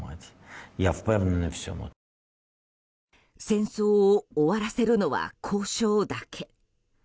戦争を終わらせるのは交渉だけ。